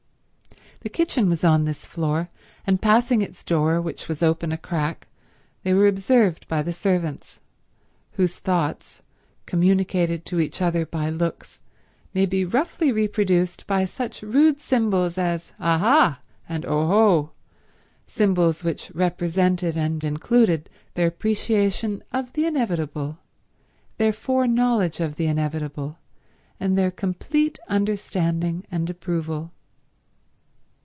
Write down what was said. The kitchen was on this floor, and passing its door, which was open a crack, they were observed by the servants, whose thoughts, communicated to each other by looks, may be roughly reproduced by such rude symbols as Aha and Oho—symbols which represented and included their appreciation of the inevitable, their foreknowledge of the inevitable, and their complete understanding and approval.